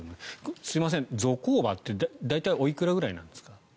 すいません、ゾコーバって大体おいくらくらいなんですか？